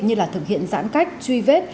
như là thực hiện giãn cách truy vết